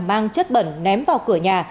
mang chất bẩn ném vào cửa nhà